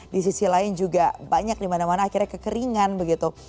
di sisi lain juga banyak dimana mana akhirnya kekeringan begitu